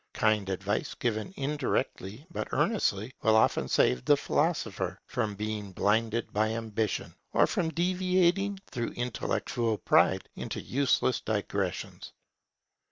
Kind advice, given indirectly but earnestly, will often save the philosopher from being blinded by ambition, or from deviating, through intellectual pride, into useless digressions.